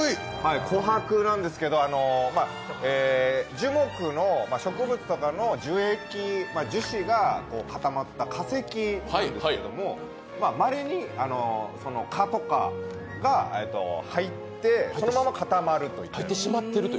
琥珀なんですけど樹木の植物とかの樹脂、樹液、樹脂が固まった化石なんですけれどもまれに蚊とかが入ってそのまま固まるという。